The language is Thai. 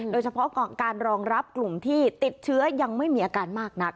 โดยเฉพาะการรองรับกลุ่มที่ติดเชื้อยังไม่มีอาการมากนัก